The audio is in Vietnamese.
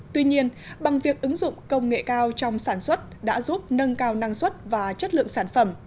tuy nhiên bằng việc ứng dụng công nghệ cao trong sản xuất đã giúp nâng cao năng suất và chất lượng sản phẩm